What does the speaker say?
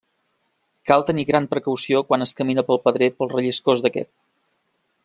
Cal tenir gran precaució quan es camina pel pedrer pel relliscós d'aquest.